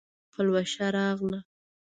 پلوشه راغله